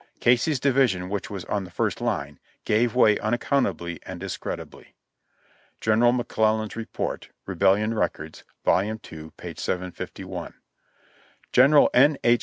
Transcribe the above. Casey's division, which was on the first line, gave way unaccount ably and discreditably. (General McClellan's Report, Rebellion Records, Vol, 11, p. 751.) General N. H.